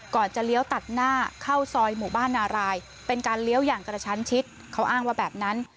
จะเลี้ยวตัดหน้าเข้าซอยหมู่บ้านนารายเป็นการเลี้ยวอย่างกระชั้นชิดเขาอ้างว่าแบบนั้น